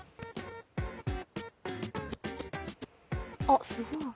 あっすごい。